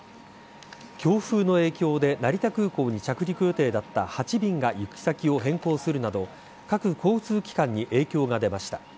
強風の影響で成田空港に着陸予定だった８便が行き先を変更するなど各交通機関に影響が出ました。